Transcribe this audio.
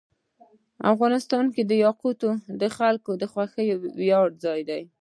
افغانستان کې یاقوت د خلکو د خوښې وړ ځای دی.